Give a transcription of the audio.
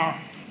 cái kiểu là